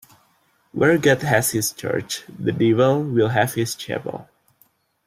Where God has his church, the devil will have his chapel.